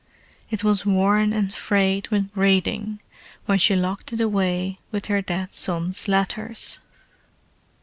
It was worn and frayed with reading when she locked it away with her dead son's letters.